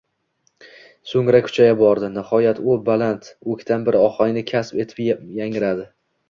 soʼngra kuchaya bordi. Nihoyat, u baland, oʼktam bir ohang kasb etib yangradi.